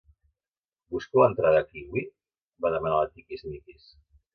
Busco l'entrada kiwi? —va demanar la Tiquismiquis.